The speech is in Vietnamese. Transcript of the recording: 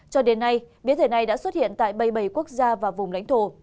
cho đến nay biến thể này đã xuất hiện tại bảy mươi bảy quốc gia và vùng lãnh thổ